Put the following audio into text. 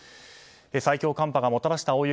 最強寒波がもたらした大雪。